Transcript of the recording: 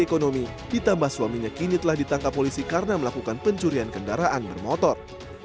ekonomi ditambah suaminya kini telah ditangkap polisi karena melakukan pencurian kendaraan bermotor